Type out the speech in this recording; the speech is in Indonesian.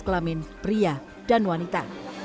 kelamin pria dan wanita